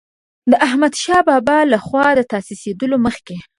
د احمدشاه بابا له خوا د تاسیسېدلو مخکې.